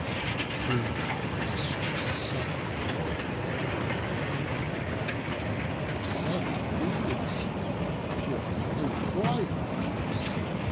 To whom th' illustrious son of Pelegon: "Great son of Peleus, why enquire my race?